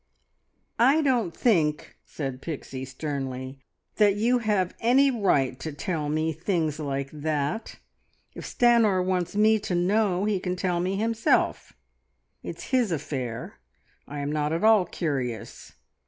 "I don't think," said Pixie sternly, "that you have any right to tell me things like that. If Stanor wants me to know, he can tell me himself. It's his affair. I am not at all curious."